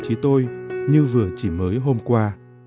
trí tôi như vừa chỉ mới hôm qua